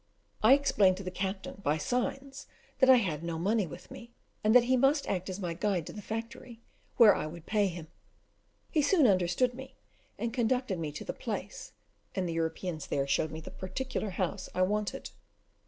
I explained to the captain, by signs, that I had no money with me, and that he must act as my guide to the factory, where I would pay him. He soon understood me, and conducted me to the place, and the Europeans there showed me the particular house I wanted.